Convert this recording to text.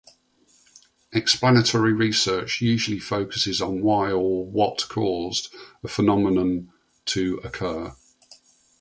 Explanatory research usually focuses on "why" or "what caused" a phenomenon to occur.